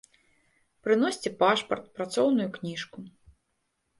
Прыносьце пашпарт, працоўную кніжку.